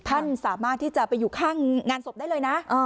ท่านสามารถที่จะไปอยู่ข้างงานศพได้เลยนะ